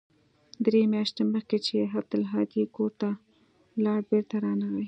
درې مياشتې مخکې چې عبدالهادي کور ته ولاړ بېرته رانغى.